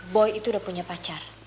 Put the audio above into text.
boy itu udah punya pacar